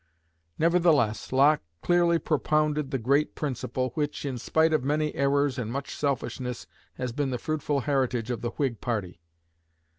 Nevertheless Locke clearly propounded the great principle, which, in spite of many errors and much selfishness, has been the fruitful heritage of the Whig party.